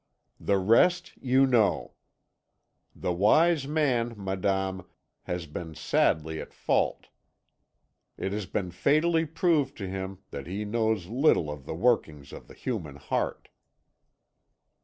The rest you know. The wise man, madame, has been sadly at fault; it has been fatally proved to him that he knows little of the workings of the human heart.'